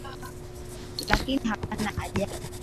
Lakini hapana ajali.